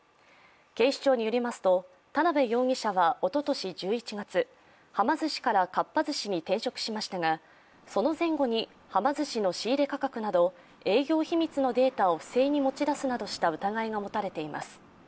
警視庁によりますと、田辺容疑者はおととし１１月はま寿司からかっぱ寿司に転職しましたがその前後に、はま寿司の仕入れ価格など営業秘密のデータを不正に持ち出すなどした疑いが持たれています。